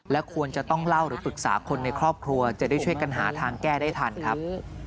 และควรจะต้องเล่าหรือปรึกษาคนในครอบครัวจะได้ช่วยกันหาทางแก้ได้ทันครับ